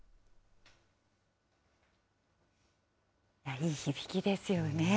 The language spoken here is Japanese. いい響きですよね。